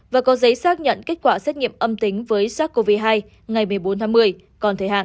và có giấy xác nhận kết quả xét nghiệm âm tính với sars cov hai ngày một mươi bốn tháng một mươi còn thời hạn